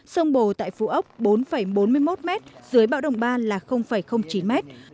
sông bồ tại phú ốc bốn bốn mươi một mét dưới bão động ba là chín mét